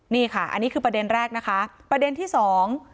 นี่ค่ะอันนี้คือประเด็นแรกนะคะประเด็นที่สอง